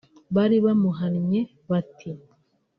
bari bamuhannye bati